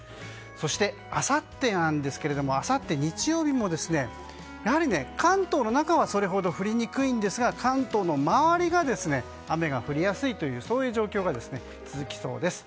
そして、あさってなんですがあさって日曜日もやはり関東の中はそれほど降りにくいんですが関東の周りが雨が降りやすい状況が続きそうです。